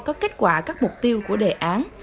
có kết quả các mục tiêu của đề án